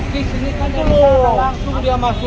di sini kan langsung dia masuk